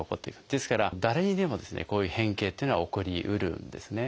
ですから誰にでもですねこういう変形っていうのは起こりうるんですね。